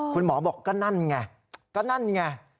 คุณหมอบอกก็นั่นไงก็นั่นไง